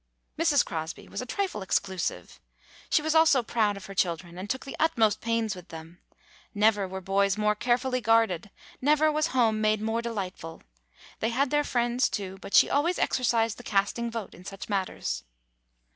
Mrs. Crosby was a trifle exclusive. She was also proud of her children, and took the utmost pains with them. Never were boys more carefully guarded, never was home made more delightful. They had their friends, too, but she always exercised the casting vote in such matters.